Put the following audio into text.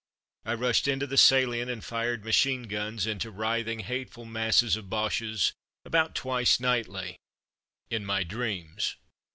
I rushed into the salient and fired machine guns into writhing, hate ful masses of Boches about twice nightly — in my dreams.